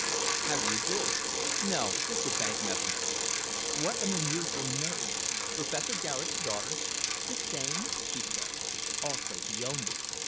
"How do you do. No, just a bank messenger. What an unusual name. Professor Garet's daughter?" "The same," she said. "Also the only.